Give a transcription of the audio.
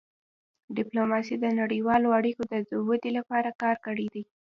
ډيپلوماسي د نړیوالو اړیکو د ودې لپاره کار کړی دی.